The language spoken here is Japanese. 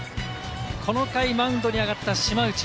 この回マウンドに上がった島内。